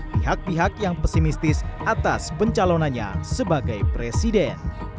pihak pihak yang pesimistis atas pencalonannya sebagai presiden